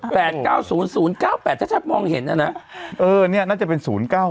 แปดเก้าศูนย์ศูนย์เก้าแปดถ้าชัดมองเห็นน่ะนะเออเนี่ยน่าจะเป็นศูนย์เก้า